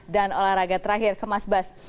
dan olahraga terakhir ke mas bas